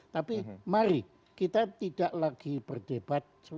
tapi mari kita tidak lagi berdebat